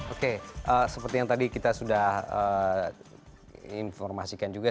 oke seperti yang tadi kita sudah informasikan juga